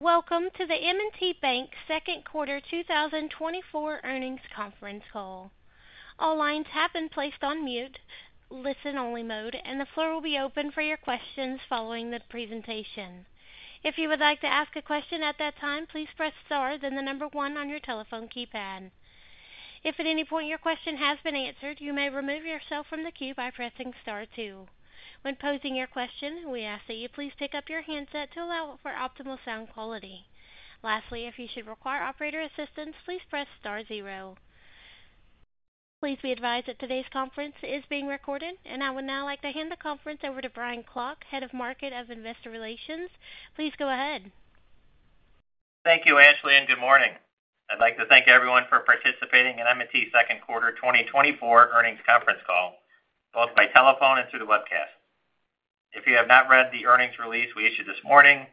Welcome to the M&T Bank Second Quarter 2024 Earnings Conference Call. All lines have been placed on mute, listen-only mode, and the floor will be open for your questions following the presentation. If you would like to ask a question at that time, please press star, then the number one on your telephone keypad. If at any point your question has been answered, you may remove yourself from the queue by pressing star two. When posing your question, we ask that you please pick up your handset to allow for optimal sound quality. Lastly, if you should require operator assistance, please press star zero. Please be advised that today's conference is being recorded, and I would now like to hand the conference over to Brian Klock, Head of Markets and Investor Relations. Please go ahead. Thank you, Ashley, and good morning. I'd like to thank everyone for participating in M&T second quarter 2024 earnings conference call, both by telephone and through the webcast. If you have not read the earnings release we issued this morning,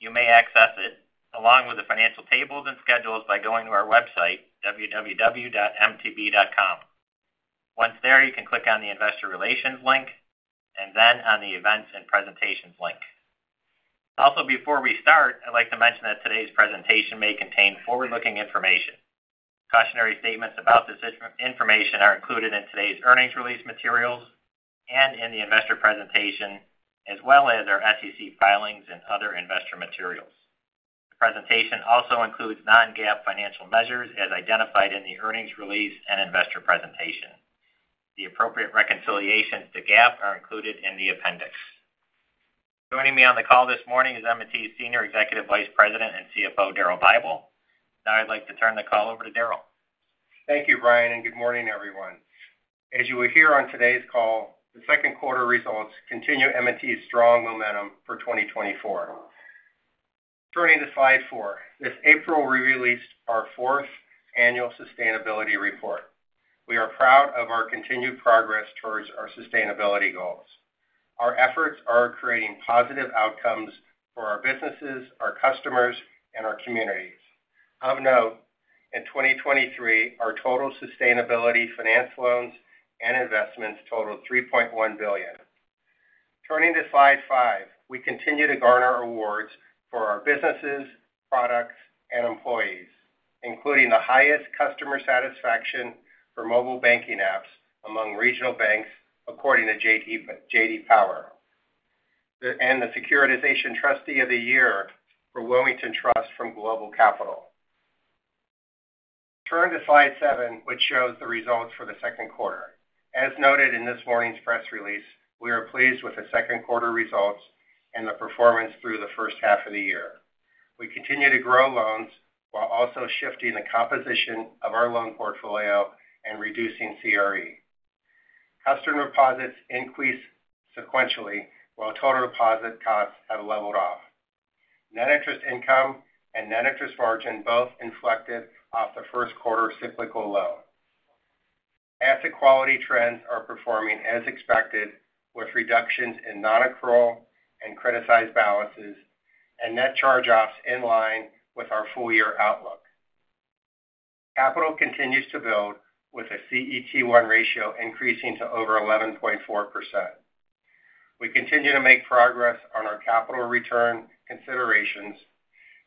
you may access it, along with the financial tables and schedules, by going to our website, www.mtb.com. Once there, you can click on the Investor Relations link and then on the Events and Presentations link. Also, before we start, I'd like to mention that today's presentation may contain forward-looking information. Cautionary statements about this information are included in today's earnings release materials and in the investor presentation, as well as our SEC filings and other investor materials. The presentation also includes non-GAAP financial measures, as identified in the earnings release and investor presentation. The appropriate reconciliations to GAAP are included in the appendix. Joining me on the call this morning is M&T's Senior Executive Vice President and CFO, Daryl Bible. Now I'd like to turn the call over to Daryl. Thank you, Brian, and good morning, everyone. As you will hear on today's call, the second quarter results continue M&T's strong momentum for 2024. Turning to slide four. This April, we released our 4th annual sustainability report. We are proud of our continued progress towards our sustainability goals. Our efforts are creating positive outcomes for our businesses, our customers, and our communities. Of note, in 2023, our total sustainability finance loans and investments totaled $3.1 billion. Turning to slide five. We continue to garner awards for our businesses, products, and employees, including the highest customer satisfaction for mobile banking apps among regional banks, according to J.D. Power, and the Securitization Trustee of the Year for Wilmington Trust from GlobalCapital. Turn to slide seven, which shows the results for the second quarter. As noted in this morning's press release, we are pleased with the second quarter results and the performance through the first half of the year. We continue to grow loans while also shifting the composition of our loan portfolio and reducing CRE. Customer deposits increased sequentially, while total deposit costs have leveled off. Net interest income and net interest margin both inflected off the first quarter cyclical low. Asset quality trends are performing as expected, with reductions in nonaccrual and criticized balances and net charge-offs in line with our full-year outlook. Capital continues to build, with a CET1 ratio increasing to over 11.4%. We continue to make progress on our capital return considerations,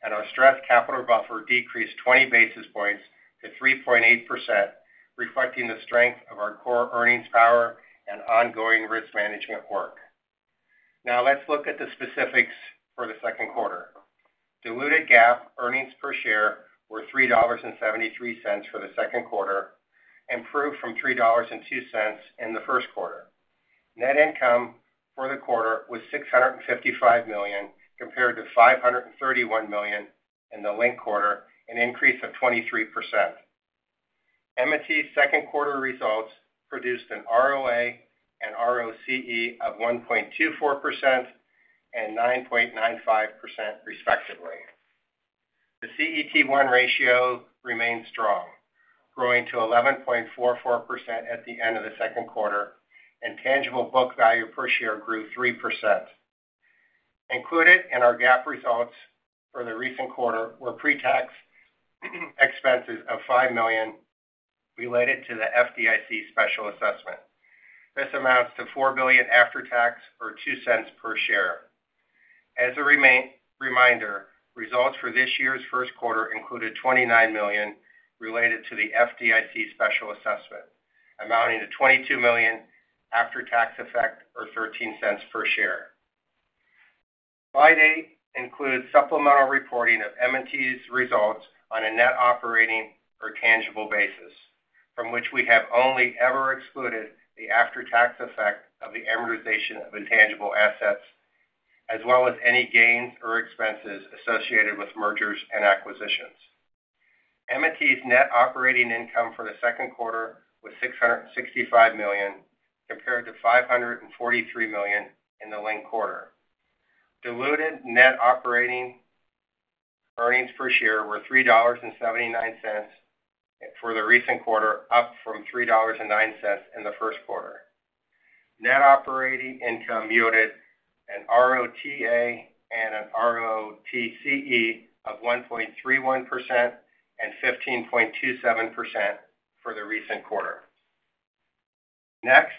and our stress capital buffer decreased 20 basis points to 3.8%, reflecting the strength of our core earnings power and ongoing risk management work. Now, let's look at the specifics for the second quarter. Diluted GAAP earnings per share were $3.73 for the second quarter, improved from $3.02 in the first quarter. Net income for the quarter was $655 million, compared to $531 million in the linked quarter, an increase of 23%. M&T's second quarter results produced an ROA and ROCE of 1.24% and 9.95%, respectively. The CET1 ratio remains strong, growing to 11.44% at the end of the second quarter, and tangible book value per share grew 3%. Included in our GAAP results for the recent quarter were pre-tax expenses of $5 million related to the FDIC special assessment. This amounts to $4 million after tax, or $0.02 per share. As a reminder, results for this year's first quarter included $29 million related to the FDIC special assessment, amounting to $22 million after-tax effect, or $0.13 per share. Slide eight includes supplemental reporting of M&T's results on a net operating or tangible basis, from which we have only ever excluded the after-tax effect of the amortization of intangible assets, as well as any gains or expenses associated with mergers and acquisitions. M&T's net operating income for the second quarter was $665 million, compared to $543 million in the linked quarter. Diluted net operating earnings per share were $3.79 for the recent quarter, up from $3.09 in the first quarter. Net operating income yielded an ROTA and an ROTCE of 1.31% and 15.27% for the recent quarter. Next,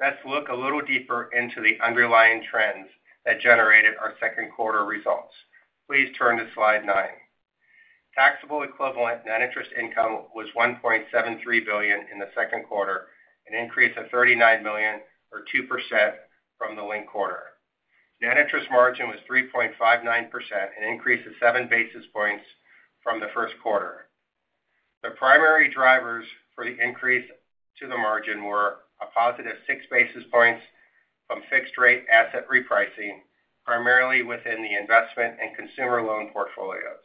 let's look a little deeper into the underlying trends that generated our second quarter results. Please turn to slide nine. Taxable equivalent net interest income was $1.73 billion in the second quarter, an increase of $39 million or 2% from the linked quarter. Net interest margin was 3.59%, an increase of 7 basis points from the first quarter. The primary drivers for the increase to the margin were a positive 6 basis points from fixed rate asset repricing, primarily within the investment and consumer loan portfolios.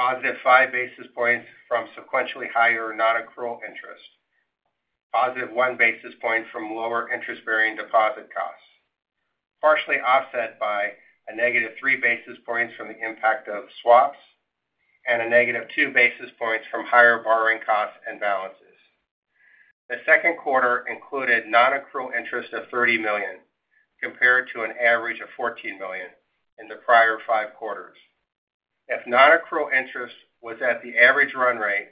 Positive 5 basis points from sequentially higher nonaccrual interest. Positive 1 basis point from lower interest-bearing deposit costs, partially offset by a negative 3 basis points from the impact of swaps and a negative 2 basis points from higher borrowing costs and balances. The second quarter included nonaccrual interest of $30 million, compared to an average of $14 million in the prior five quarters. If nonaccrual interest was at the average run rate,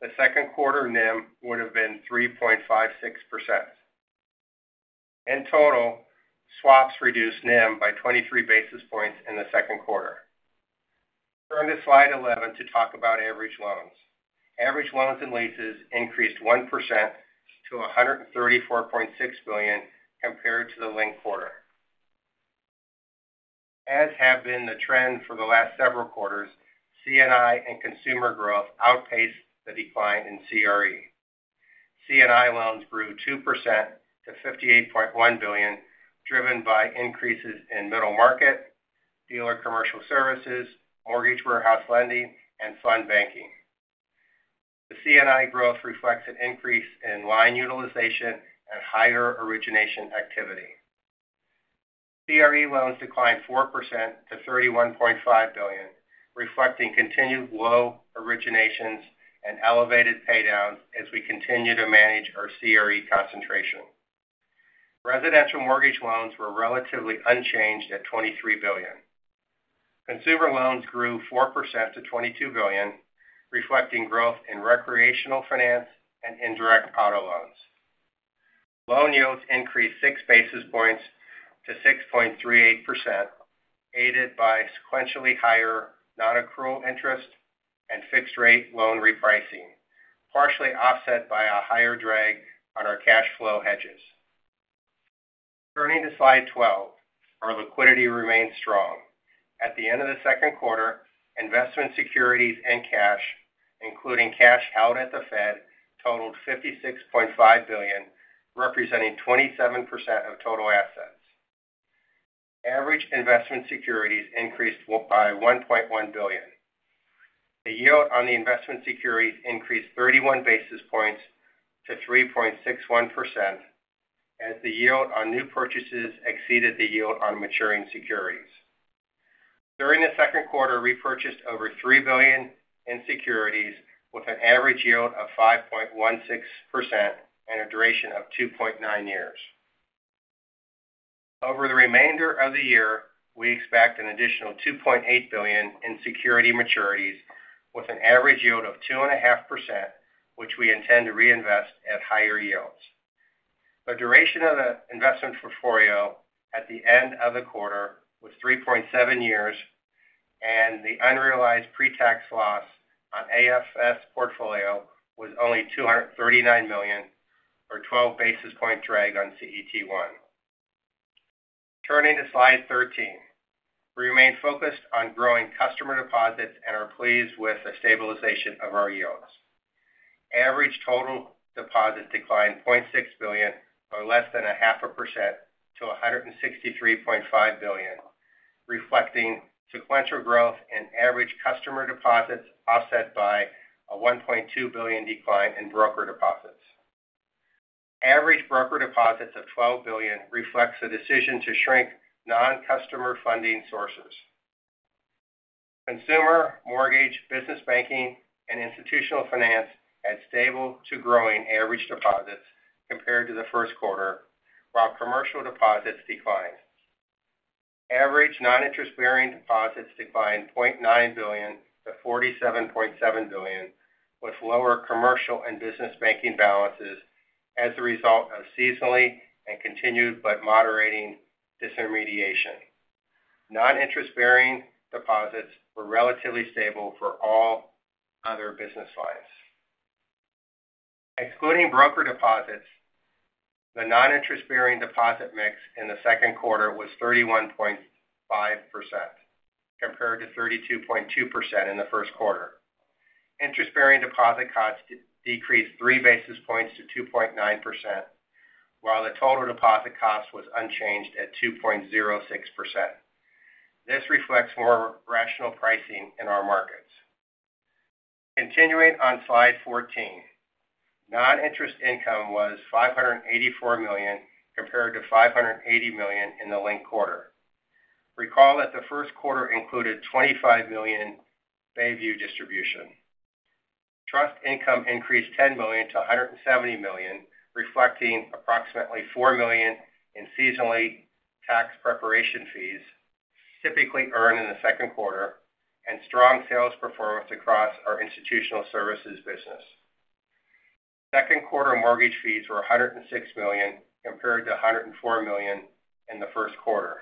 the second quarter NIM would have been 3.56%. In total, swaps reduced NIM by 23 basis points in the second quarter. Turn to slide 11 to talk about average loans. Average loans and leases increased 1% to $134.6 billion compared to the linked quarter. As have been the trend for the last several quarters, C&I and consumer growth outpaced the decline in CRE. C&I loans grew 2% to $58.1 billion, driven by increases in middle market, dealer commercial services, mortgage warehouse lending, and fund banking. The C&I growth reflects an increase in line utilization and higher origination activity. CRE loans declined 4% to $31.5 billion, reflecting continued low originations and elevated paydowns as we continue to manage our CRE concentration. Residential mortgage loans were relatively unchanged at $23 billion. Consumer loans grew 4% to $22 billion, reflecting growth in recreational finance and indirect auto loans. Loan yields increased 6 basis points to 6.38%, aided by sequentially higher nonaccrual interest and fixed rate loan repricing, partially offset by a higher drag on our cash flow hedges. Turning to slide 12, our liquidity remains strong. At the end of the second quarter, investment securities and cash, including cash held at the Fed, totaled $56.5 billion, representing 27% of total assets. Average investment securities increased by $1.1 billion. The yield on the investment securities increased 31 basis points to 3.61%, as the yield on new purchases exceeded the yield on maturing securities. During the second quarter, we repurchased over $3 billion in securities with an average yield of 5.16% and a duration of 2.9 years. Over the remainder of the year, we expect an additional $2.8 billion in security maturities with an average yield of 2.5%, which we intend to reinvest at higher yields. The duration of the investment portfolio at the end of the quarter was 3.7 years, and the unrealized pretax loss on AFS portfolio was only $239 million, or 12 basis point drag on CET1. Turning to slide 13. We remain focused on growing customer deposits and are pleased with the stabilization of our yields. Average total deposits declined $0.6 billion, or less than 0.5%, to $163.5 billion, reflecting sequential growth in average customer deposits, offset by a $1.2 billion decline in broker deposits. Average broker deposits of $12 billion reflects a decision to shrink non-customer funding sources. Consumer, mortgage, business banking, and institutional finance had stable to growing average deposits compared to the first quarter, while commercial deposits declined. Average non-interest-bearing deposits declined $0.9 billion to $47.7 billion, with lower commercial and business banking balances as a result of seasonal and continued, but moderating disintermediation. Non-interest-bearing deposits were relatively stable for all other business lines. Excluding broker deposits, the non-interest-bearing deposit mix in the second quarter was 31.5%, compared to 32.2% in the first quarter. Interest-bearing deposit costs decreased 3 basis points to 2.9%, while the total deposit cost was unchanged at 2.06%. This reflects more rational pricing in our markets. Continuing on slide 14, non-interest income was $584 million, compared to $580 million in the linked quarter. Recall that the first quarter included $25 million Bayview distribution. Trust income increased $10 million to $170 million, reflecting approximately $4 million in seasonal tax preparation fees, typically earn in the second quarter, and strong sales performance across our institutional services business. Second quarter mortgage fees were $106 million, compared to $104 million in the first quarter.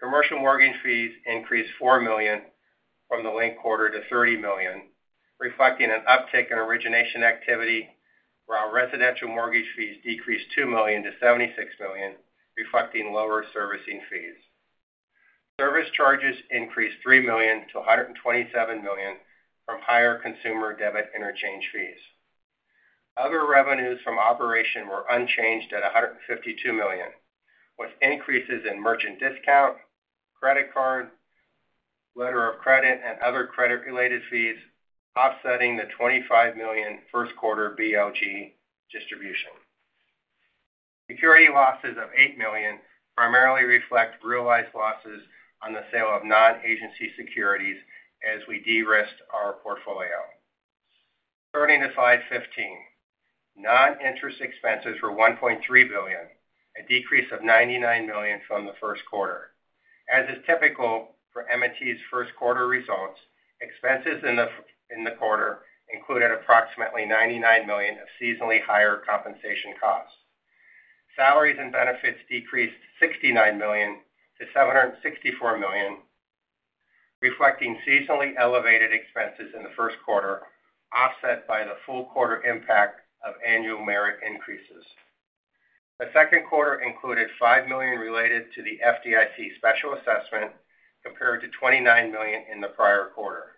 Commercial mortgage fees increased $4 million from the linked quarter to $30 million, reflecting an uptick in origination activity, while residential mortgage fees decreased $2 million to $76 million, reflecting lower servicing fees. Service charges increased $3 million to $127 million from higher consumer debit interchange fees. Other revenues from operation were unchanged at $152 million, with increases in merchant discount, credit card, letter of credit, and other credit-related fees, offsetting the $25 million first quarter BLG distribution. Security losses of $8 million primarily reflect realized losses on the sale of non-agency securities as we de-risked our portfolio. Turning to slide 15. Non-interest expenses were $1.3 billion, a decrease of $99 million from the first quarter. As is typical for M&T's first quarter results, expenses in the first quarter included approximately $99 million of seasonally higher compensation costs. Salaries and benefits decreased $69 million to $764 million, reflecting seasonally elevated expenses in the first quarter, offset by the full quarter impact of annual merit increases. The second quarter included $5 million related to the FDIC special assessment, compared to $29 million in the prior quarter.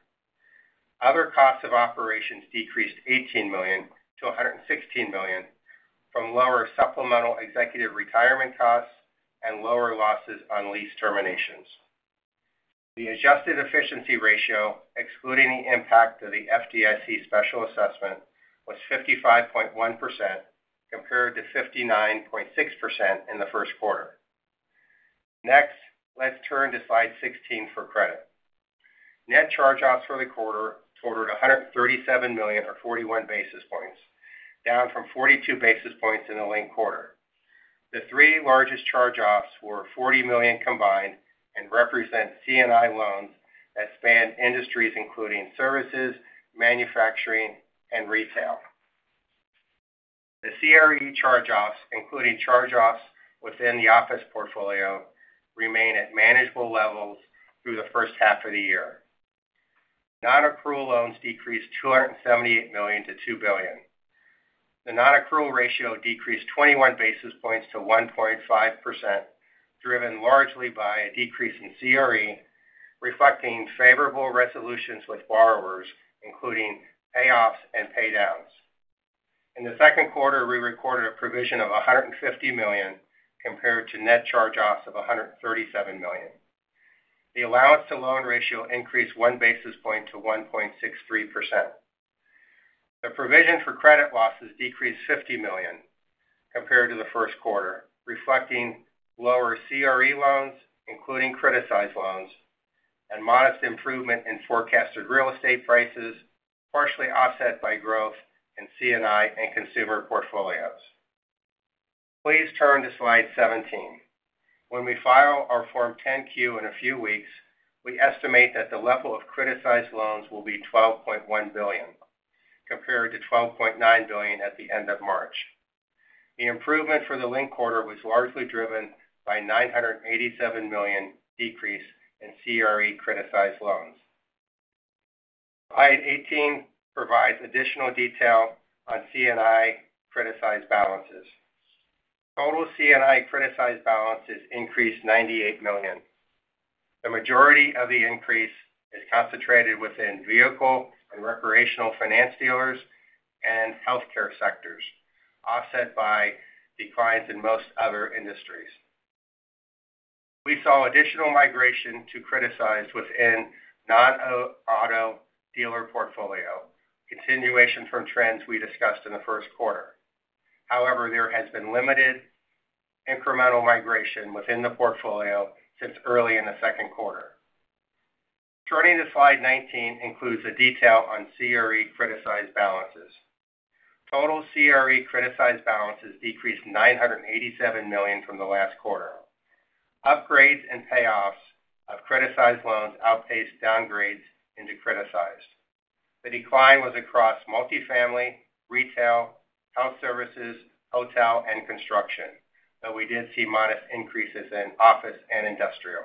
Other costs of operations decreased $18 million to $116 million from lower supplemental executive retirement costs and lower losses on lease terminations. The adjusted efficiency ratio, excluding the impact of the FDIC special assessment, was 55.1%, compared to 59.6% in the first quarter. Next, let's turn to slide 16 for credit. Net charge-offs for the quarter totaled $137 million, or 41 basis points, down from 42 basis points in the linked quarter. The three largest charge-offs were $40 million combined and represent C&I loans that span industries including services, manufacturing, and retail. The CRE charge-offs, including charge-offs within the office portfolio, remain at manageable levels through the first half of the year. Nonaccrual loans decreased $278 million to $2 billion. The nonaccrual ratio decreased 21 basis points to 1.5%, driven largely by a decrease in CRE, reflecting favorable resolutions with borrowers, including payoffs and paydowns. In the second quarter, we recorded a provision of $150 million compared to net charge-offs of $137 million. The allowance to loan ratio increased 1 basis point to 1.63%. The provision for credit losses decreased $50 million compared to the first quarter, reflecting lower CRE loans, including criticized loans, and modest improvement in forecasted real estate prices, partially offset by growth in C&I and consumer portfolios. Please turn to slide 17. When we file our Form 10-Q in a few weeks, we estimate that the level of criticized loans will be $12.1 billion, compared to $12.9 billion at the end of March. The improvement for the linked quarter was largely driven by $987 million decrease in CRE criticized loans. Slide 18 provides additional detail on C&I criticized balances. Total C&I criticized balances increased $98 million. The majority of the increase is concentrated within vehicle and recreational finance dealers and healthcare sectors, offset by declines in most other industries. We saw additional migration to criticized within non-auto dealer portfolio, continuation from trends we discussed in the first quarter. However, there has been limited incremental migration within the portfolio since early in the second quarter. Turning to slide 19 includes the detail on CRE criticized balances. Total CRE criticized balances decreased $987 million from the last quarter. Upgrades and payoffs of criticized loans outpaced downgrades into criticized. The decline was across multifamily, retail, health services, hotel, and construction, but we did see modest increases in office and industrial.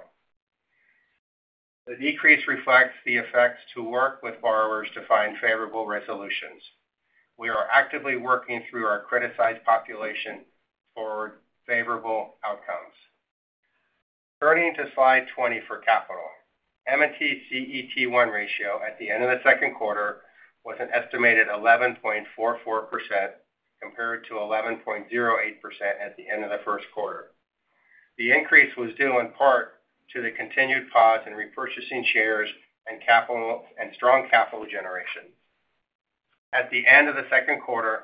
The decrease reflects the efforts to work with borrowers to find favorable resolutions. We are actively working through our criticized population for favorable outcomes. Turning to Slide 20 for capital. M&T CET1 ratio at the end of the second quarter was an estimated 11.44%, compared to 11.08% at the end of the first quarter. The increase was due in part to the continued pause in repurchasing shares and capital, and strong capital generation. At the end of the second quarter,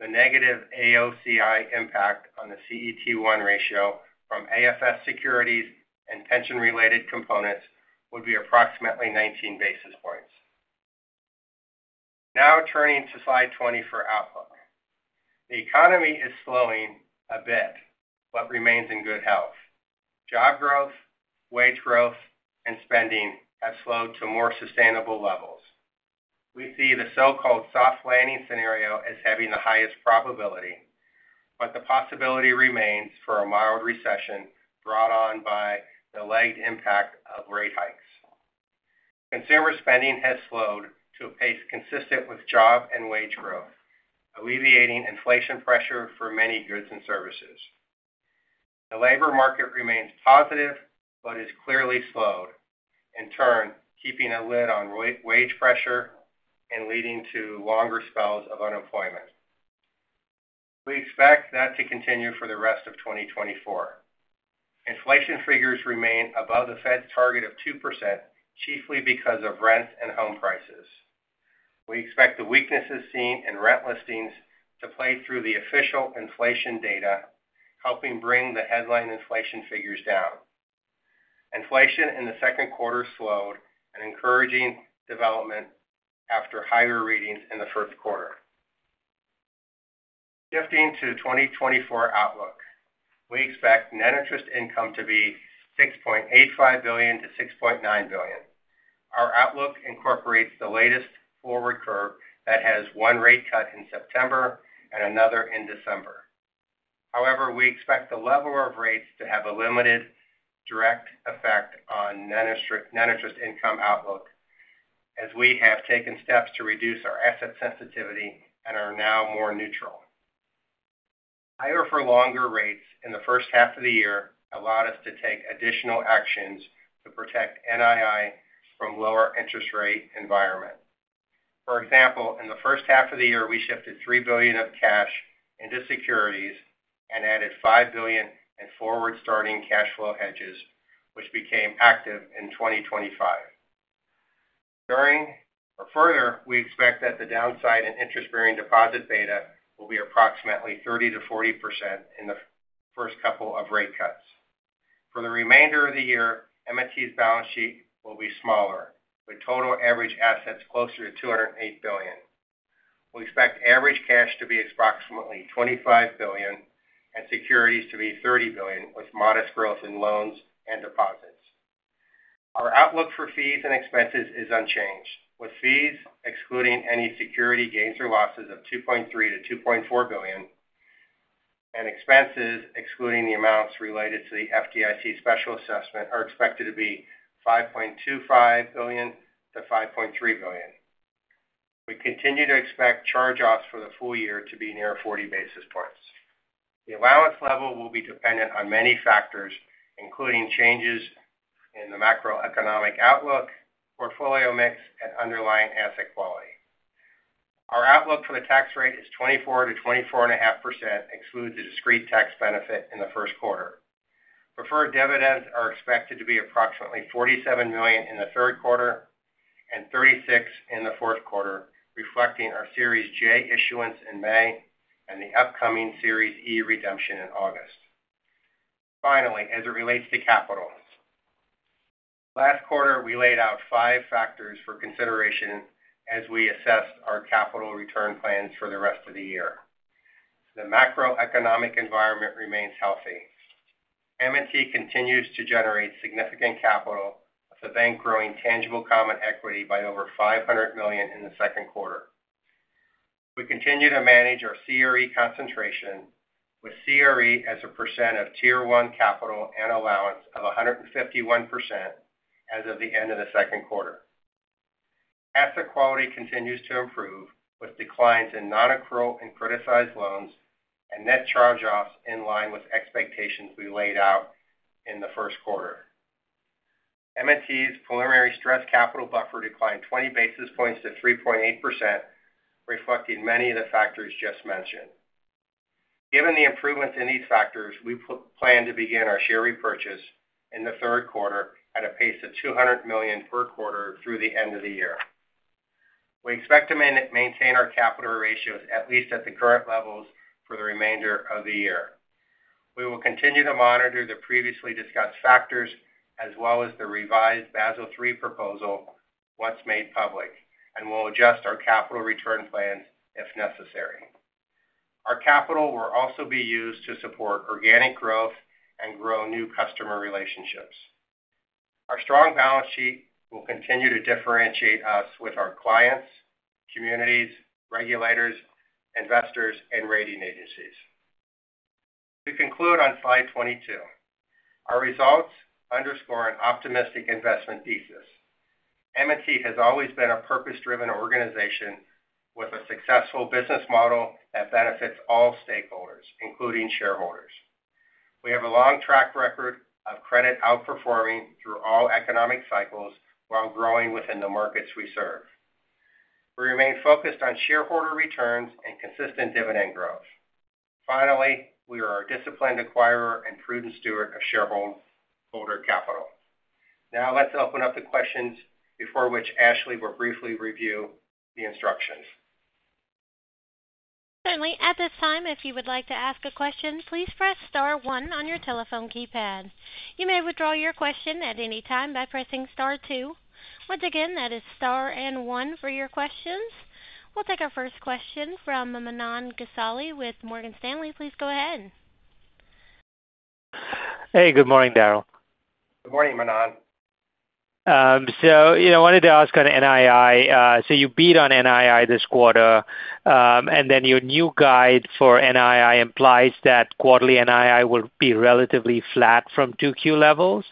the negative AOCI impact on the CET1 ratio from AFS securities and pension-related components would be approximately 19 basis points. Turning to Slide 20 for outlook. The economy is slowing a bit, but remains in good health. Job growth, wage growth, and spending have slowed to more sustainable levels. We see the so-called soft landing scenario as having the highest probability, but the possibility remains for a mild recession brought on by the lagged impact of rate hikes. Consumer spending has slowed to a pace consistent with job and wage growth, alleviating inflation pressure for many goods and services. The labor market remains positive, but has clearly slowed, in turn, keeping a lid on wage pressure and leading to longer spells of unemployment. We expect that to continue for the rest of 2024. Inflation figures remain above the Fed's target of 2%, chiefly because of rent and home prices. We expect the weaknesses seen in rent listings to play through the official inflation data, helping bring the headline inflation figures down. Inflation in the second quarter slowed, an encouraging development after higher readings in the first quarter. Shifting to 2024 outlook, we expect net interest income to be $6.85 billion-$6.9 billion. Our outlook incorporates the latest forward curve that has one rate cut in September and another in December. However, we expect the level of rates to have a limited direct effect on net interest, net interest income outlook, as we have taken steps to reduce our asset sensitivity and are now more neutral. Higher for longer rates in the first half of the year allowed us to take additional actions to protect NII from lower interest rate environment. For example, in the first half of the year, we shifted $3 billion of cash into securities and added $5 billion in forward-starting cash flow hedges, which became active in 2025. Furthermore, we expect that the downside in interest-bearing deposit beta will be approximately 30%-40% in the first couple of rate cuts. For the remainder of the year, M&T's balance sheet will be smaller, with total average assets closer to $208 billion. We expect average cash to be approximately $25 billion and securities to be $30 billion, with modest growth in loans and deposits. Our outlook for fees and expenses is unchanged, with fees excluding any security gains or losses of $2.3 billion-$2.4 billion, and expenses, excluding the amounts related to the FDIC special assessment, are expected to be $5.25 billion-$5.3 billion. We continue to expect charge-offs for the full year to be near 40 basis points. The allowance level will be dependent on many factors, including changes in the macroeconomic outlook, portfolio mix, and underlying asset quality. Our outlook for the tax rate is 24%-24.5%, excludes the discrete tax benefit in the first quarter. Preferred dividends are expected to be approximately $47 million in the third quarter and $36 million in the fourth quarter, reflecting our Series J issuance in May and the upcoming Series E redemption in August. Finally, as it relates to capital. Last quarter, we laid out 5 factors for consideration as we assessed our capital return plans for the rest of the year. The macroeconomic environment remains healthy. M&T continues to generate significant capital, with the bank growing tangible common equity by over $500 million in the second quarter. We continue to manage our CRE concentration, with CRE as a percent of Tier 1 capital and allowance of 151% as of the end of the second quarter. Asset quality continues to improve, with declines in nonaccrual and criticized loans and net charge-offs in line with expectations we laid out in the first quarter. M&T's preliminary stress capital buffer declined 20 basis points to 3.8%, reflecting many of the factors just mentioned. Given the improvements in these factors, we plan to begin our share repurchase in the third quarter at a pace of $200 million per quarter through the end of the year. We expect to maintain our capital ratios at least at the current levels for the remainder of the year. We will continue to monitor the previously discussed factors, as well as the revised Basel III proposal, once made public, and we'll adjust our capital return plans if necessary. Our capital will also be used to support organic growth and grow new customer relationships. Our strong balance sheet will continue to differentiate us with our clients, communities, regulators, investors, and rating agencies. To conclude on Slide 22, our results underscore an optimistic investment thesis. M&T has always been a purpose-driven organization with a successful business model that benefits all stakeholders, including shareholders. We have a long track record of credit outperforming through all economic cycles while growing within the markets we serve. We remain focused on shareholder returns and consistent dividend growth. Finally, we are a disciplined acquirer and prudent steward of shareholder capital. Now, let's open up the questions before which Ashley will briefly review the instructions. Certainly, at this time, if you would like to ask a question, please press star one on your telephone keypad. You may withdraw your question at any time by pressing star two. Once again, that is star and one for your questions. We'll take our first question from Manan Gosalia with Morgan Stanley. Please go ahead. Hey, good morning, Daryl. Good morning, Manan. So, you know, I wanted to ask on NII. So you beat on NII this quarter, and then your new guide for NII implies that quarterly NII will be relatively flat from 2Q levels.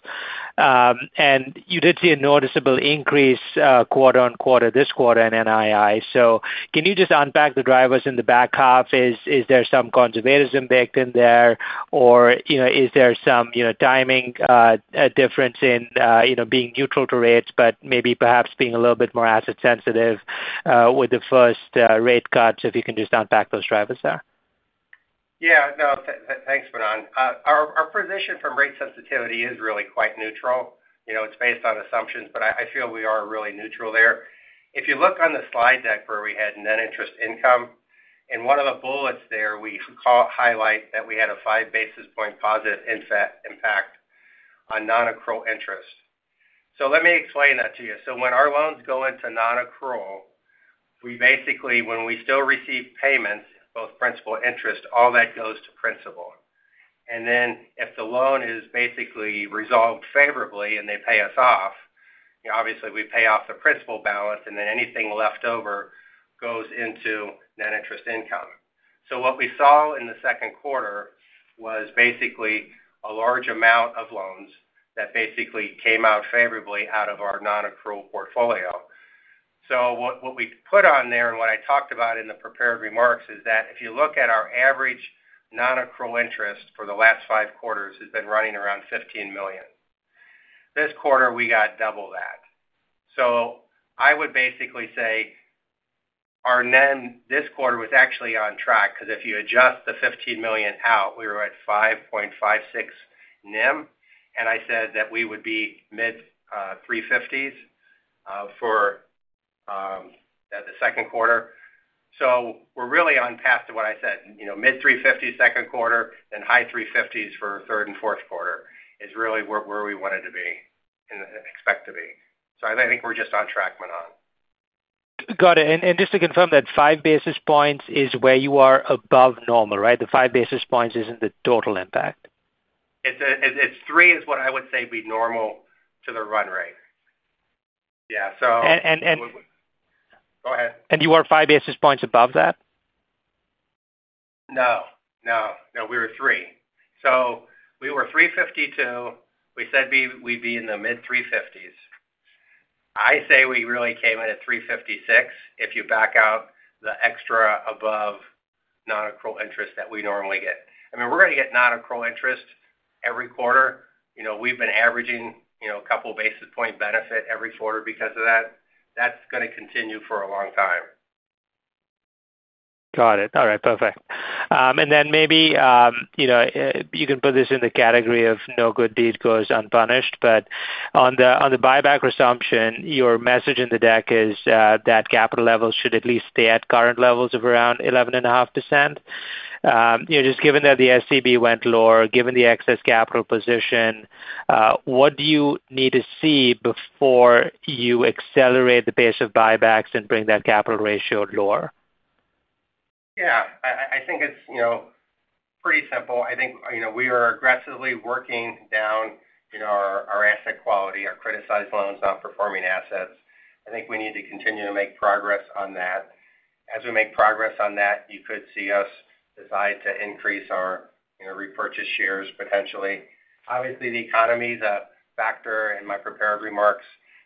And you did see a noticeable increase quarter-over-quarter this quarter in NII. So can you just unpack the drivers in the back half? Is, is there some conservatism baked in there? Or, you know, is there some, you know, timing difference in, you know, being neutral to rates, but maybe perhaps being a little bit more asset sensitive with the first rate cuts? If you can just unpack those drivers there. Yeah, no. Thanks, Manan. Our position from rate sensitivity is really quite neutral. You know, it's based on assumptions, but I feel we are really neutral there. If you look on the slide deck where we had net interest income, in one of the bullets there, we highlight that we had a five basis point positive impact on nonaccrual interest. So let me explain that to you. So when our loans go into nonaccrual, we basically, when we still receive payments, both principal interest, all that goes to principal. And then if the loan is basically resolved favorably and they pay us off, you know, obviously, we pay off the principal balance, and then anything left over goes into net interest income. So what we saw in the second quarter was basically a large amount of loans that basically came out favorably out of our nonaccrual portfolio. So what we put on there and what I talked about in the prepared remarks is that if you look at our average nonaccrual interest for the last five quarters, it's been running around $15 million. This quarter, we got double that. So I would basically say our NIM this quarter was actually on track, because if you adjust the $15 million out, we were at 5.56% NIM, and I said that we would be mid-3.50% for the second quarter. So we're really on path to what I said, you know, mid-3.50% second quarter, then high-3.50% for third and fourth quarter is really where we wanted to be and expect to be. So I think we're just on track, Manan. Got it. And just to confirm that 5 basis points is where you are above normal, right? The 5 basis points isn't the total impact. It's-- it's three is what I would say be normal to the run rate. Yeah, so- And, and, and- Go ahead. You are 5 basis points above that? No, no. No, we were 3. So we were 3.52%. We said we, we'd be in the mid-3.50%. I say we really came in at 3.56%, if you back out the extra above nonaccrual interest that we normally get. I mean, we're going to get nonaccrual interest every quarter. You know, we've been averaging, you know, a couple basis point benefit every quarter because of that. That's going to continue for a long time. Got it. All right, perfect. And then maybe, you know, you can put this in the category of no good deed goes unpunished, but on the buyback resumption, your message in the deck is that capital levels should at least stay at current levels of around 11.5%. You know, just given that the SCB went lower, given the excess capital position, what do you need to see before you accelerate the pace of buybacks and bring that capital ratio lower? Yeah, I think it's, you know, pretty simple. I think, you know, we are aggressively working down, you know, our asset quality, our criticized loans, nonperforming assets. I think we need to continue to make progress on that. As we make progress on that, you could see us decide to increase our, you know, repurchase shares potentially. Obviously, the economy is a factor in my prepared remarks.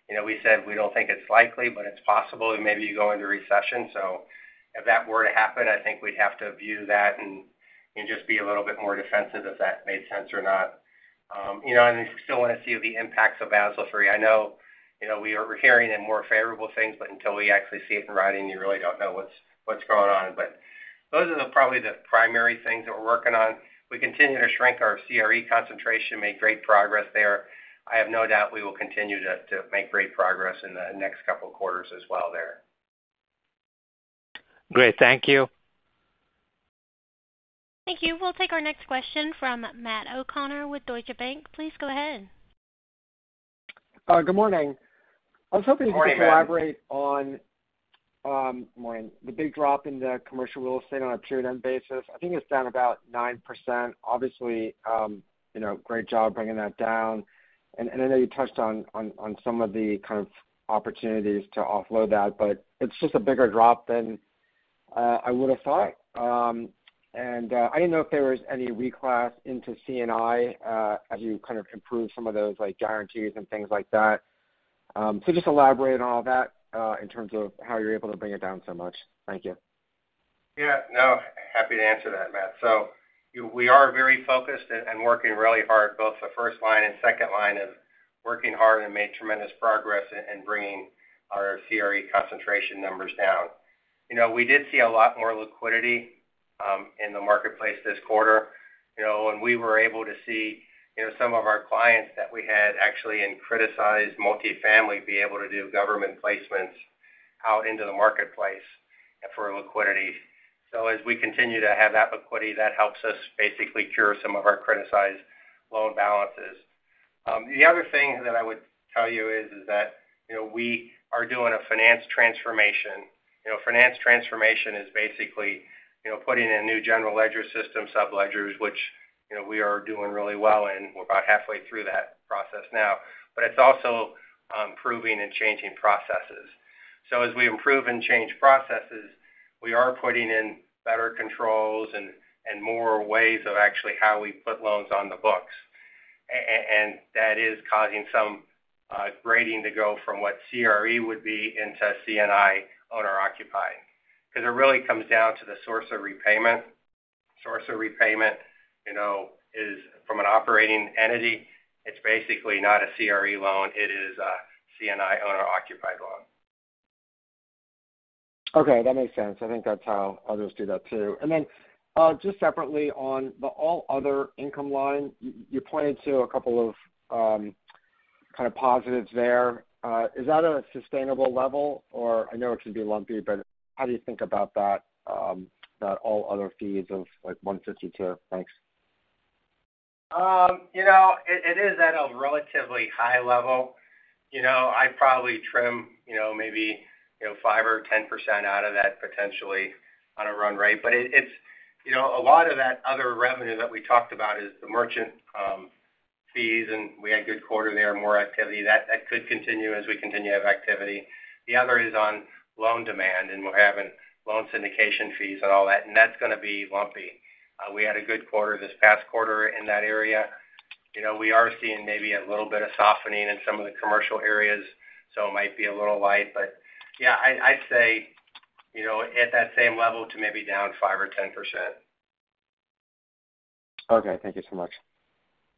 You know, we said we don't think it's likely, but it's possible that maybe you go into recession. So if that were to happen, I think we'd have to view that and just be a little bit more defensive, if that made sense or not. We still want to see the impacts of Basel III. I know, you know, we are hearing more favorable things, but until we actually see it in writing, you really don't know what's going on. But those are probably the primary things that we're working on. We continue to shrink our CRE concentration, make great progress there. I have no doubt we will continue to make great progress in the next couple of quarters as well there. Great. Thank you. Thank you. We'll take our next question from Matt O'Connor with Deutsche Bank. Please go ahead. Good morning. Good morning. I was hoping you could elaborate on the big drop in the commercial real estate on a period-end basis. I think it's down about 9%. Obviously, you know, great job bringing that down. And I know you touched on some of the kind of opportunities to offload that, but it's just a bigger drop than I would have thought. And I didn't know if there was any reclass into C&I, as you kind of improved some of those, like, guarantees and things like that. So just elaborate on all that, in terms of how you're able to bring it down so much. Thank you. Yeah, no, happy to answer that, Matt. So we are very focused and working really hard, both the first line and second line of working hard and made tremendous progress in bringing our CRE concentration numbers down. You know, we did see a lot more liquidity in the marketplace this quarter. You know, and we were able to see, you know, some of our clients that we had actually in criticized multifamily, be able to do government placements out into the marketplace for liquidity. So as we continue to have that liquidity, that helps us basically cure some of our criticized loan balances. The other thing that I would tell you is that, you know, we are doing a finance transformation. You know, finance transformation is basically, you know, putting in a new general ledger system, sub-ledgers, which, you know, we are doing really well in. We're about halfway through that process now, but it's also improving and changing processes. So as we improve and change processes, we are putting in better controls and more ways of actually how we put loans on the books. And that is causing some grading to go from what CRE would be into C&I owner-occupied. Because it really comes down to the source of repayment. Source of repayment, you know, is from an operating entity. It's basically not a CRE loan. It is a C&I owner-occupied loan. Okay, that makes sense. I think that's how others do that, too. And then, just separately on the all other income line, you pointed to a couple of kind of positives there. Is that a sustainable level? Or I know it can be lumpy, but how do you think about that all other fees of, like, $152 million? Thanks. You know, it is at a relatively high level. You know, I'd probably trim, you know, maybe, you know, 5% or 10% out of that potentially on a run rate. But it's, you know, a lot of that other revenue that we talked about is the merchant fees, and we had a good quarter there, more activity. That could continue as we continue to have activity. The other is on loan demand, and we're having loan syndication fees and all that, and that's going to be lumpy. We had a good quarter this past quarter in that area. You know, we are seeing maybe a little bit of softening in some of the commercial areas, so it might be a little light. But yeah, I'd say, you know, at that same level to maybe down 5% or 10%. Okay, thank you so much.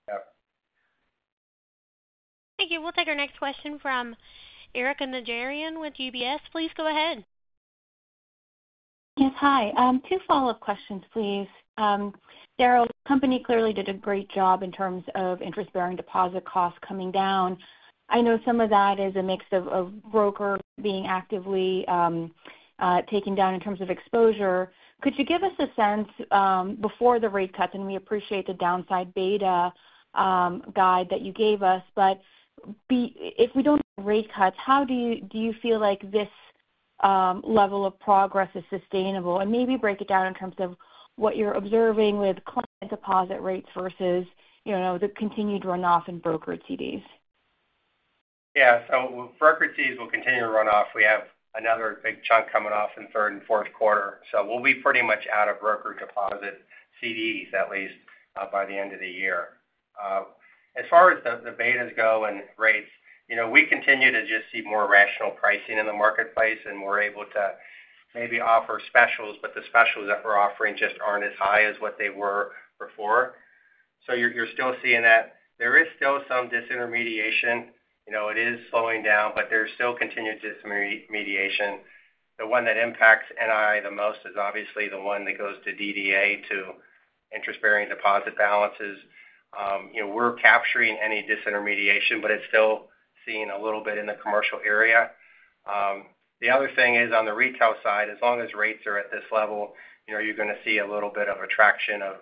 Yeah. Thank you. We'll take our next question from Erika Najarian with UBS. Please go ahead. Yes, hi. Two follow-up questions, please. Daryl, the company clearly did a great job in terms of interest-bearing deposit costs coming down. I know some of that is a mix of broker being actively taken down in terms of exposure. Could you give us a sense before the rate cuts, and we appreciate the downside beta guide that you gave us. But if we don't have rate cuts, how do you feel like this level of progress is sustainable? And maybe break it down in terms of what you're observing with client deposit rates versus, you know, the continued runoff in broker CDs. Yeah. So broker CDs will continue to run off. We have another big chunk coming off in third and fourth quarter. So we'll be pretty much out of broker deposit CDs, at least, by the end of the year. As far as the betas go and rates, you know, we continue to just see more rational pricing in the marketplace, and we're able to maybe offer specials, but the specials that we're offering just aren't as high as what they were before. So you're still seeing that. There is still some disintermediation. You know, it is slowing down, but there's still continued disintermediation. The one that impacts NII the most is obviously the one that goes to DDA, to interest-bearing deposit balances. You know, we're capturing any disintermediation, but it's still seeing a little bit in the commercial area. The other thing is, on the retail side, as long as rates are at this level, you know, you're going to see a little bit of attraction of,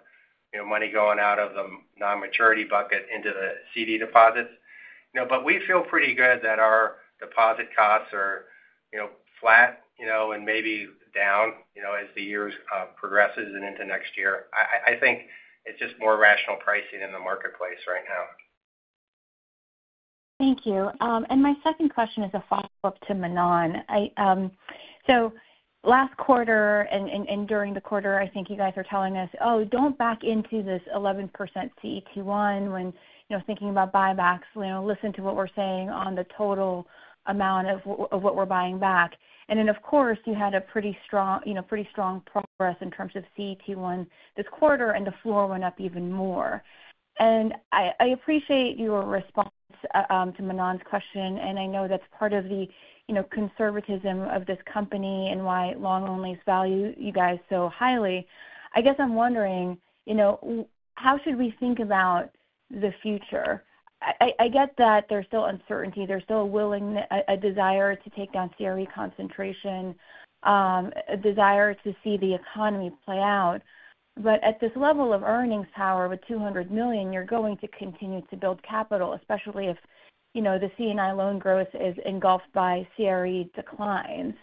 you know, money going out of the non-maturity bucket into the CD deposits. You know, but we feel pretty good that our deposit costs are, you know, flat, you know, and maybe down, you know, as the years progresses and into next year. I think it's just more rational pricing in the marketplace right now. Thank you. And my second question is a follow-up to Manan. I. So last quarter and, and, during the quarter, I think you guys are telling us, "Oh, don't back into this 11% CET1 when, you know, thinking about buybacks. You know, listen to what we're saying on the total amount of what, of what we're buying back." And then, of course, you had a pretty strong, you know, pretty strong progress in terms of CET1 this quarter, and the floor went up even more. And I, I appreciate your response, to Manan's question, and I know that's part of the, you know, conservatism of this company and why long-onlys value you guys so highly. I guess I'm wondering, you know, how should we think about the future? I get that there's still uncertainty, there's still a willingness, a desire to take down CRE concentration, a desire to see the economy play out. But at this level of earnings power, with $200 million, you're going to continue to build capital, especially if, you know, the C&I loan growth is engulfed by CRE declines.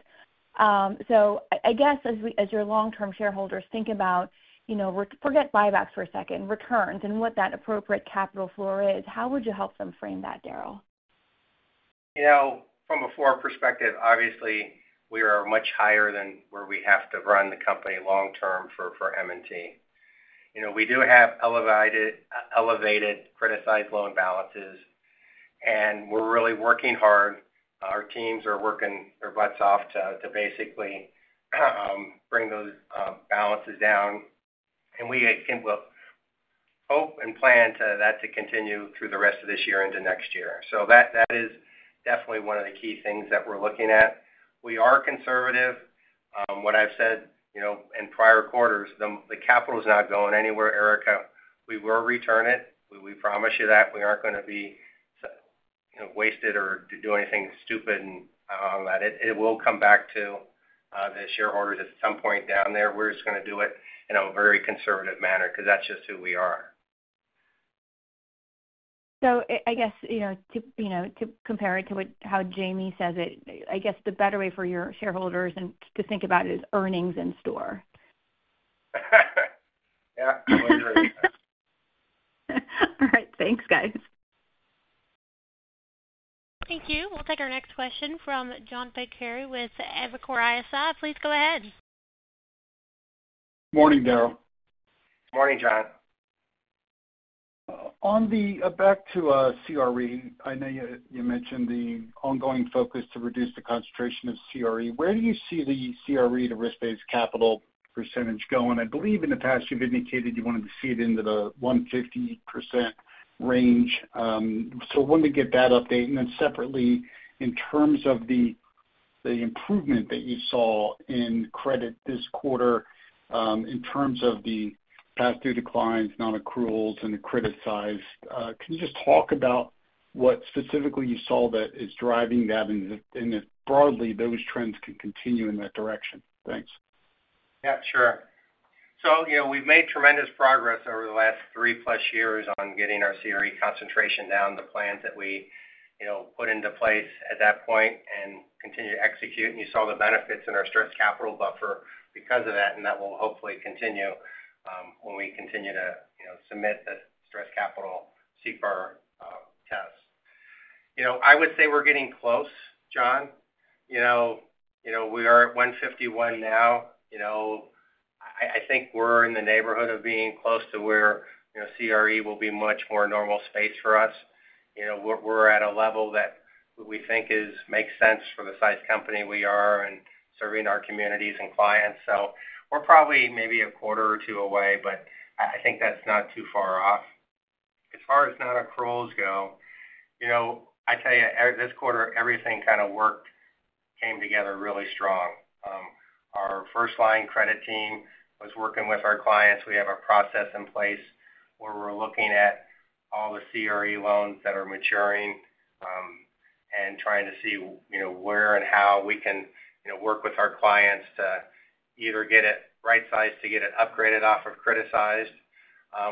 So I guess as we, as your long-term shareholders think about, you know, we're, forget buybacks for a second, returns and what that appropriate capital floor is, how would you help them frame that, Daryl? You know, from a floor perspective, obviously, we are much higher than where we have to run the company long term for, for M&T. You know, we do have elevated elevated criticized loan balances, and we're really working hard. Our teams are working their butts off to, to basically bring those balances down, and we, I think we'll hope and plan to that to continue through the rest of this year into next year. So that, that is definitely one of the key things that we're looking at. We are conservative. What I've said, you know, in prior quarters, the, the capital is not going anywhere, Erika. We will return it. We, we promise you that. We aren't going to be, you know, wasted or to do anything stupid, and that. It, it will come back to the shareholders at some point down there. We're just going to do it in a very conservative manner because that's just who we are. So, I guess, you know, you know, to compare it to what, how Jamie says it, I guess the better way for your shareholders and to think about it is earnings in store. Yeah, you're right. All right, thanks, guys. Thank you. We'll take our next question from John Pancari with Evercore ISI. Please go ahead. Morning, Darryl. Morning, John. On the back to CRE, I know you mentioned the ongoing focus to reduce the concentration of CRE. Where do you see the CRE, the risk-based capital percentage going? I believe in the past, you've indicated you wanted to see it into the 150% range. So wanted to get that update. And then separately, in terms of the improvement that you saw in credit this quarter, in terms of the pass-through declines, nonaccruals, and the criticized, can you just talk about what specifically you saw that is driving that and if broadly, those trends can continue in that direction? Thanks. Yeah, sure. So, you know, we've made tremendous progress over the last 3+ years on getting our CRE concentration down, the plans that we, you know, put into place at that point and continue to execute. And you saw the benefits in our stress capital buffer because of that, and that will hopefully continue when we continue to, you know, submit the stress capital CECL test. You know, I would say we're getting close, John. You know, you know, we are at 151% now. You know, I, I think we're in the neighborhood of being close to where, you know, CRE will be much more normal space for us. You know, we're, we're at a level that we think is makes sense for the size company we are and serving our communities and clients. So we're probably maybe a quarter or two away, but I, I think that's not too far off. As far as non-accruals go, you know, I tell you, this quarter, everything kind of worked, came together really strong. Our first-line credit team was working with our clients. We have a process in place where we're looking at all the CRE loans that are maturing, and trying to see, you know, where and how we can, you know, work with our clients to either get it right-sized to get it upgraded off of criticized.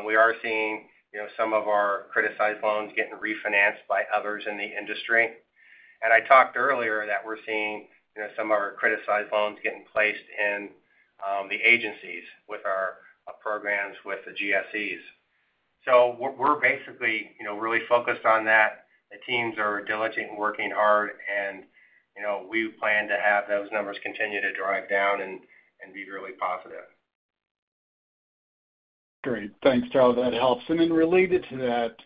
We are seeing, you know, some of our criticized loans getting refinanced by others in the industry. And I talked earlier that we're seeing, you know, some of our criticized loans getting placed in, the agencies with our, our programs, with the GSEs. So we're basically, you know, really focused on that. The teams are diligent and working hard, and, you know, we plan to have those numbers continue to drive down and be really positive. Great. Thanks, Daryl, that helps. And then related to that,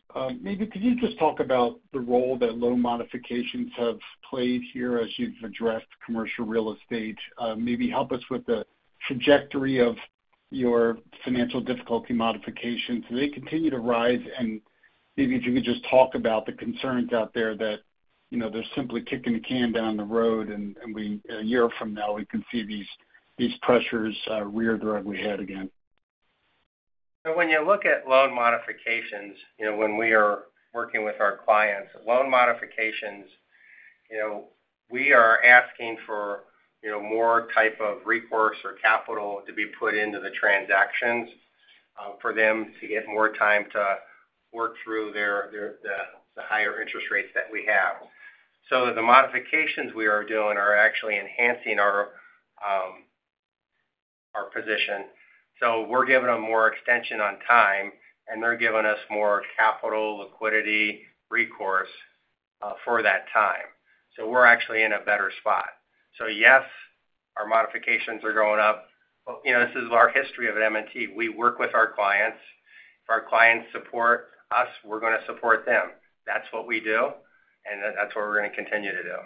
maybe could you just talk about the role that loan modifications have played here as you've addressed commercial real estate? Maybe help us with the trajectory of your financial difficulty modifications. Do they continue to rise? And maybe if you could just talk about the concerns out there that, you know, they're simply kicking the can down the road, and we, a year from now, we can see these pressures rear directly ahead again. So when you look at loan modifications, you know, when we are working with our clients, loan modifications, you know, we are asking for, you know, more type of recourse or capital to be put into the transactions, for them to get more time to work through their, the higher interest rates that we have. So the modifications we are doing are actually enhancing our position. So we're giving them more extension on time, and they're giving us more capital, liquidity, recourse, for that time. So we're actually in a better spot. So yes, our modifications are going up. But, you know, this is our history of M&T. We work with our clients. If our clients support us, we're going to support them. That's what we do, and that's what we're going to continue to do.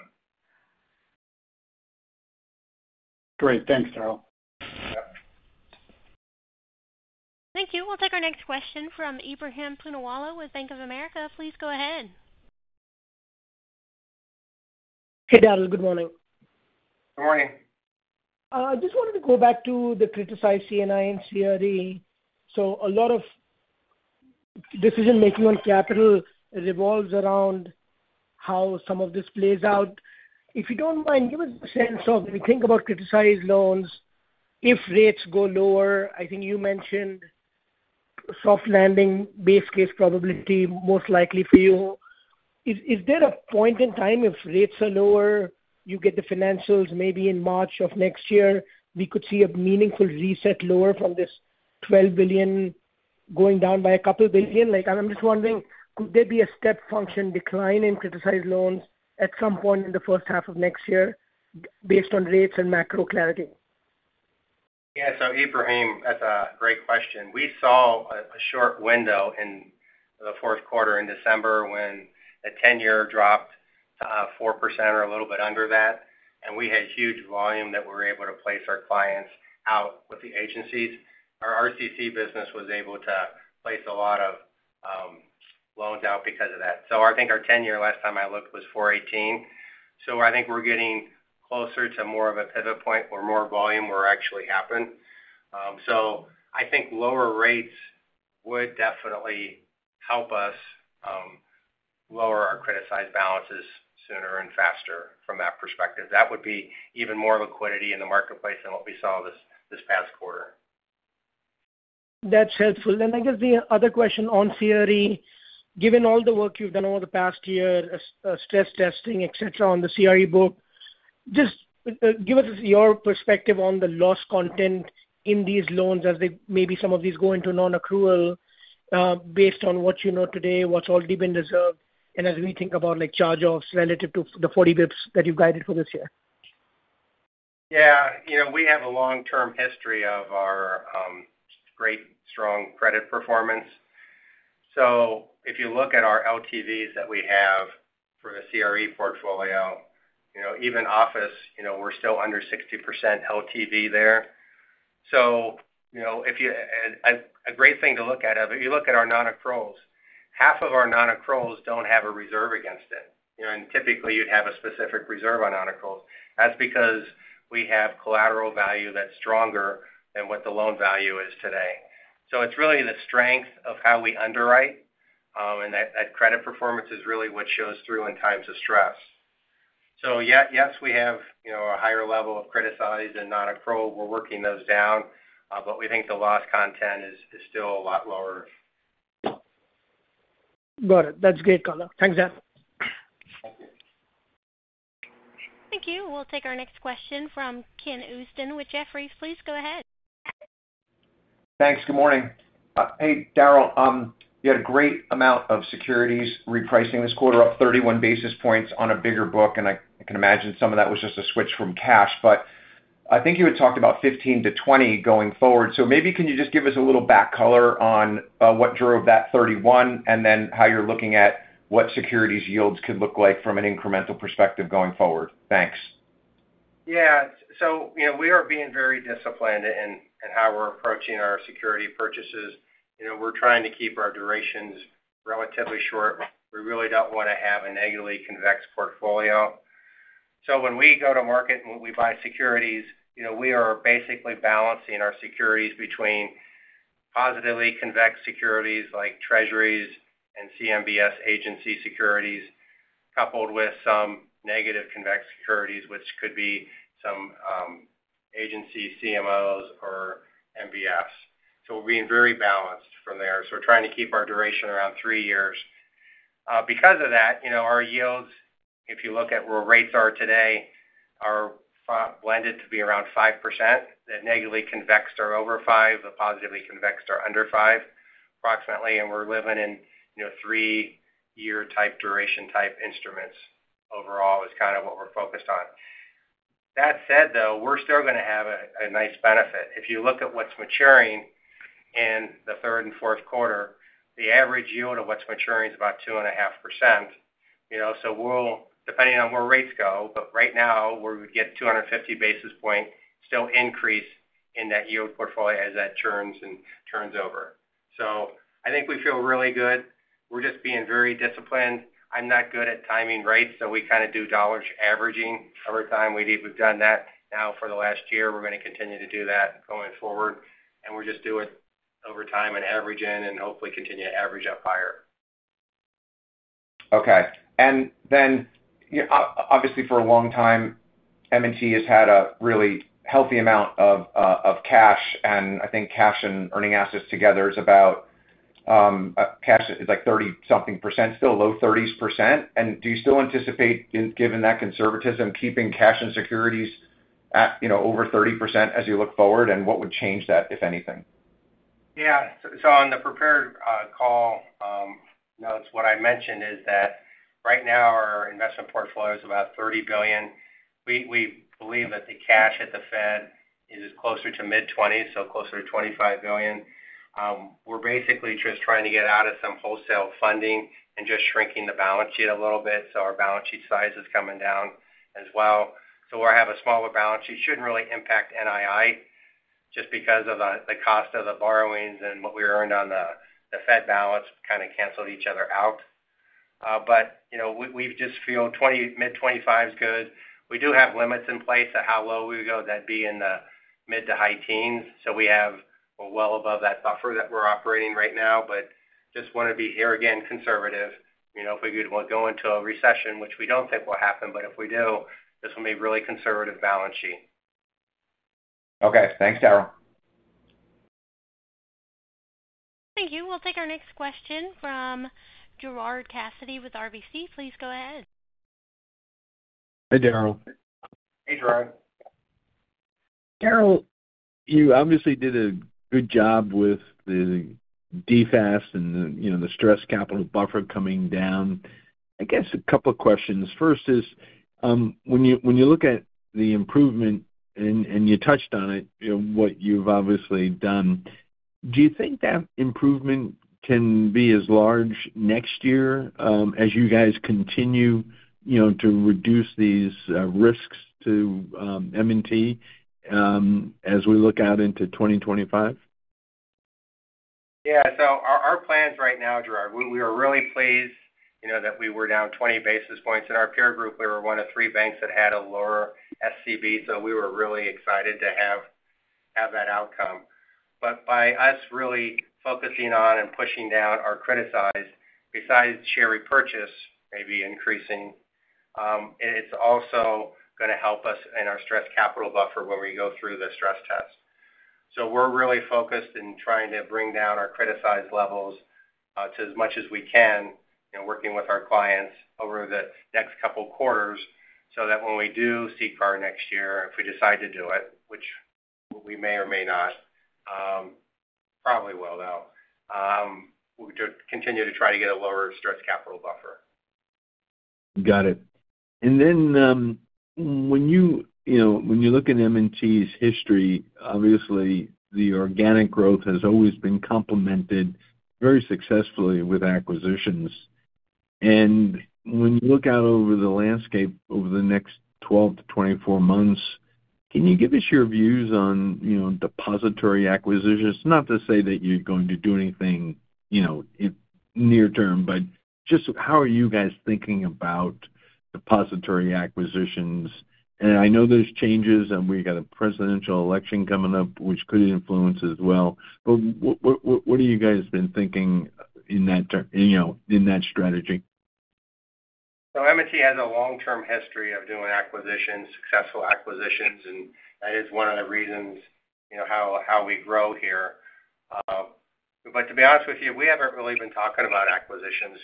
Great. Thanks, Daryl. Yep. Thank you. We'll take our next question from Ebrahim Poonawala with Bank of America. Please go ahead. Hey, Daryl, good morning. Good morning. Just wanted to go back to the criticized C&I and CRE. So a lot of decision-making on capital revolves around how some of this plays out. If you don't mind, give us a sense of when you think about criticized loans, if rates go lower, I think you mentioned soft landing, base case probability, most likely for you. Is there a point in time if rates are lower, you get the financials maybe in March of next year, we could see a meaningful reset lower from this $12 billion going down by $2 billion? Like, I'm just wondering, could there be a step function decline in criticized loans at some point in the first half of next year based on rates and macro clarity? Yeah. So, Ebrahim, that's a great question. We saw a short window in the fourth quarter in December when the 10-year dropped to 4% or a little bit under that, and we had huge volume that we were able to place our clients out with the agencies. Our RCC business was able to place a lot of loans out because of that. So I think our 10-year last time I looked was 4.18%. So I think we're getting closer to more of a pivot point where more volume will actually happen. So I think lower rates would definitely help us lower our criticized balances sooner and faster from that perspective. That would be even more liquidity in the marketplace than what we saw this past quarter. That's helpful. And I guess the other question on CRE, given all the work you've done over the past year, as stress testing, et cetera, on the CRE book, just give us your perspective on the loss content in these loans as they maybe some of these go into nonaccrual, based on what you know today, what's already been reserved, and as we think about, like, charge-offs relative to the 40 BPS that you've guided for this year. Yeah, you know, we have a long-term history of our great, strong credit performance. So if you look at our LTVs that we have for the CRE portfolio, you know, even office, you know, we're still under 60% LTV there. So, you know, if you, a great thing to look at, if you look at our nonaccruals, half of our nonaccruals don't have a reserve against it. You know, and typically, you'd have a specific reserve on nonaccruals. That's because we have collateral value that's stronger than what the loan value is today. So it's really the strength of how we underwrite, and that credit performance is really what shows through in times of stress. So yeah, yes, we have, you know, a higher level of criticized and nonaccrual. We're working those down, but we think the loss content is still a lot lower. Got it. That's great color. Thanks, Daryl. Thank you. Thank you. We'll take our next question from Ken Usdin with Jefferies. Please go ahead. Thanks. Good morning. Hey, Daryl. You had a great amount of securities repricing this quarter, up 31 basis points on a bigger book, and I can imagine some of that was just a switch from cash. But I think you had talked about 15-20 going forward. So maybe can you just give us a little back color on what drove that 31, and then how you're looking at what securities yields could look like from an incremental perspective going forward? Thanks. Yeah. So you know, we are being very disciplined in how we're approaching our security purchases. You know, we're trying to keep our durations relatively short. We really don't want to have a negatively convex portfolio. So when we go to market and when we buy securities, you know, we are basically balancing our securities between positively convex securities like Treasuries and CMBS agency securities, coupled with some negative convex securities, which could be some agency CMOs or MBS. So we're being very balanced from there. So we're trying to keep our duration around 3 years. Because of that, you know, our yields, if you look at where rates are today, are blended to be around 5%. The negatively convex are over 5%, the positively convex are under 5%, approximately, and we're living in, you know, 3-year type, duration-type instruments overall, is kind of what we're focused on. That said, though, we're still going to have a nice benefit. If you look at what's maturing in the third and fourth quarter, the average yield of what's maturing is about 2.5%. You know, so we'll, depending on where rates go, but right now, we would get 250 basis points increase in that yield portfolio as that churns and turns over. So I think we feel really good. We're just being very disciplined. I'm not good at timing rates, so we kind of do dollar averaging over time. We've done that now for the last year. We're going to continue to do that going forward, and we just do it over time and average in and hopefully continue to average up higher. Okay. And then, you know, obviously, for a long time, M&T has had a really healthy amount of, of cash, and I think cash and earning assets together is about, cash is like 30% something, still low 30%. And do you still anticipate, in given that conservatism, keeping cash and securities at, you know, over 30% as you look forward? And what would change that, if anything? Yeah. So on the prepared call notes, what I mentioned is that right now our investment portfolio is about $30 billion. We believe that the cash at the Fed is closer to mid $20 billion, so closer to $25 billion. We're basically just trying to get out of some wholesale funding and just shrinking the balance sheet a little bit, so our balance sheet size is coming down as well. So where I have a smaller balance sheet, shouldn't really impact NII, just because of the cost of the borrowings and what we earned on the Fed balance kind of canceled each other out. But, you know, we just feel mid $25 billion is good. We do have limits in place of how low we would go. That'd be in the mid- to high teens, so we have well above that buffer that we're operating right now. But just want to be, here again, conservative. You know, if we go into a recession, which we don't think will happen, but if we do, this will be a really conservative balance sheet. Okay. Thanks, Daryl. Thank you. We'll take our next question from Gerard Cassidy with RBC. Please go ahead. Hi, Darryl. Hey, Gerard. Daryl, you obviously did a good job with the DFAST and the, you know, the stress capital buffer coming down. I guess a couple of questions. First is, when you, when you look at the improvement, and, and you touched on it, you know, what you've obviously done, do you think that improvement can be as large next year, as you guys continue, you know, to reduce these risks to M&T, as we look out into 2025? Yeah, so our plans right now, Gerard, we are really pleased, you know, that we were down 20 basis points. In our peer group, we were one of three banks that had a lower SCB, so we were really excited to have that outcome. But by us really focusing on and pushing down our CET1, besides share repurchase, maybe increasing, it's also gonna help us in our stress capital buffer when we go through the stress test. So we're really focused in trying to bring down our CET1 levels to as much as we can and working with our clients over the next couple quarters, so that when we do CCAR next year, if we decide to do it, which we may or may not, probably will, though, we'll just continue to try to get a lower stress capital buffer. Got it. And then, when you, you know, when you look at M&T's history, obviously, the organic growth has always been complemented very successfully with acquisitions. And when you look out over the landscape over the next 12-24 months, can you give us your views on, you know, depository acquisitions? Not to say that you're going to do anything, you know, in near term, but just how are you guys thinking about depository acquisitions? And I know there's changes, and we've got a presidential election coming up, which could influence as well. But what are you guys been thinking in that, you know, in that strategy? So M&T has a long-term history of doing acquisitions, successful acquisitions, and that is one of the reasons, you know, how, how we grow here. But to be honest with you, we haven't really been talking about acquisitions.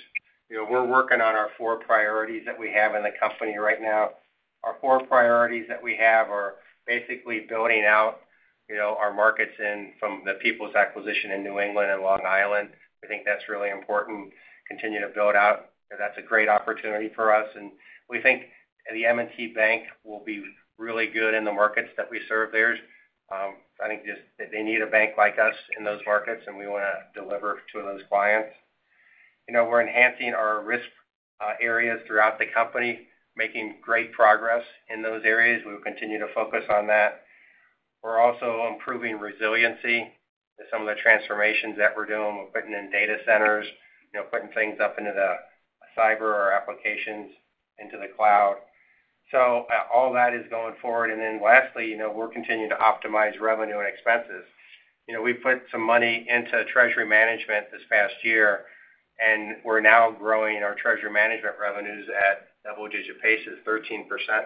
You know, we're working on our four priorities that we have in the company right now. Our four priorities that we have are basically building out, you know, our markets in from the People's acquisition in New England and Long Island. We think that's really important, continue to build out. That's a great opportunity for us, and we think the M&T Bank will be really good in the markets that we serve there. I think just they need a bank like us in those markets, and we want to deliver to those clients. You know, we're enhancing our risk areas throughout the company, making great progress in those areas. We'll continue to focus on that. We're also improving resiliency to some of the transformations that we're doing. We're putting in data centers, you know, putting things up into the server or applications into the cloud. So, all that is going forward. And then lastly, you know, we're continuing to optimize revenue and expenses. You know, we put some money into treasury management this past year, and we're now growing our treasury management revenues at double-digit paces, 13%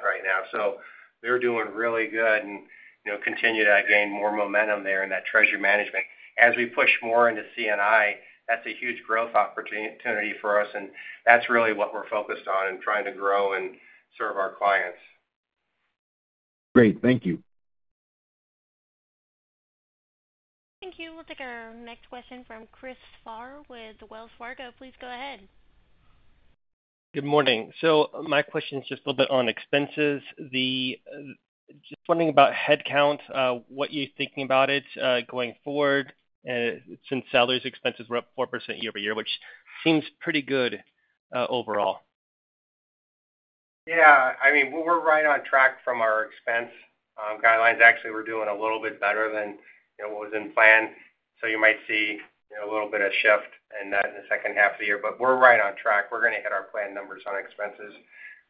right now. So we're doing really good and, you know, continue to gain more momentum there in that treasury management. As we push more into C&I, that's a huge growth opportunity for us, and that's really what we're focused on and trying to grow and serve our clients. Great. Thank you. Thank you. We'll take our next question from Chris Spahr with Wells Fargo. Please go ahead. Good morning. My question is just a little bit on expenses. Just wondering about headcount, what you're thinking about it going forward, since salaries expenses were up 4% year-over-year, which seems pretty good overall. Yeah, I mean, we're right on track from our expense guidelines. Actually, we're doing a little bit better than, you know, what was in plan. So you might see, you know, a little bit of shift in that in the second half of the year, but we're right on track. We're gonna hit our plan numbers on expenses.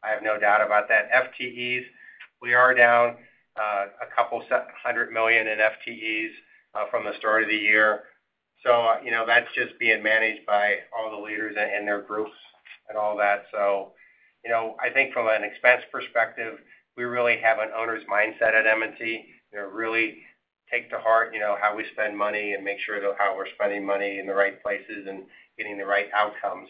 I have no doubt about that. FTEs, we are down a couple hundred million in FTEs from the start of the year. So, you know, that's just being managed by all the leaders and, and their groups and all that. So, you know, I think from an expense perspective, we really have an owner's mindset at M&T. They really take to heart, you know, how we spend money and make sure that how we're spending money in the right places and getting the right outcomes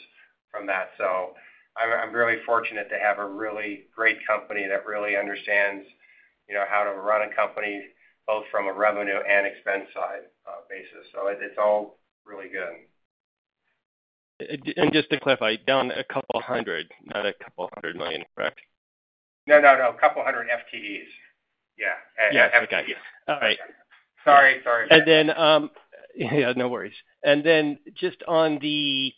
from that. So I'm really fortunate to have a really great company that really understands, you know, how to run a company, both from a revenue and expense side, basis. So it's all really good. Just to clarify, down a couple of hundred, not a couple of hundred million, correct? No, no, no. A couple hundred FTEs. Yeah. Yeah, I got you. All right. Sorry, sorry about that. And then, yeah, no worries. And then just on the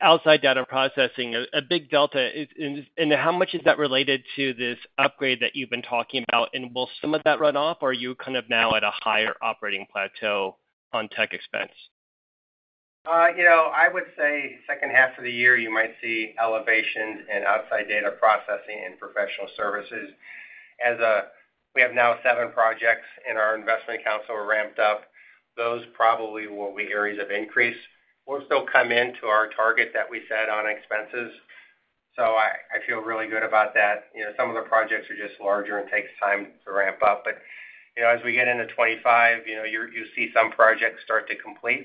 outside data processing, a big delta, and how much is that related to this upgrade that you've been talking about? And will some of that run off, or are you kind of now at a higher operating plateau on tech expense? You know, I would say second half of the year, you might see elevations in outside data processing and professional services. As we have now seven projects in our Investment Council are ramped up, those probably will be areas of increase. We'll still come in to our target that we set on expenses, so I, I feel really good about that. You know, some of the projects are just larger and takes time to ramp up. But, you know, as we get into 2025, you know, you see some projects start to complete.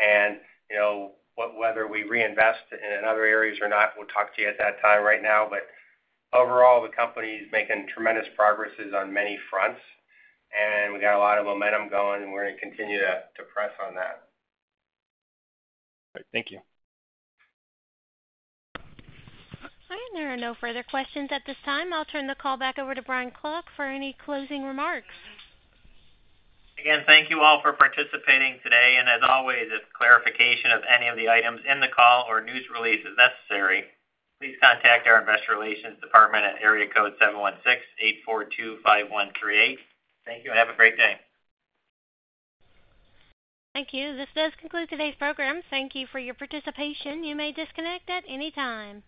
And you know, whether we reinvest in other areas or not, we'll talk to you at that time right now. But overall, the company is making tremendous progresses on many fronts, and we got a lot of momentum going, and we're gonna continue to, to press on that. All right. Thank you. All right. There are no further questions at this time. I'll turn the call back over to Brian Klock for any closing remarks. Again, thank you all for participating today. As always, if clarification of any of the items in the call or news release is necessary, please contact our investor relations department at area code 716-842-5138. Thank you, and have a great day. Thank you. This does conclude today's program. Thank you for your participation. You may disconnect at any time.